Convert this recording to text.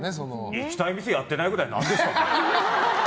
行きたい店やってないくらいなんですか！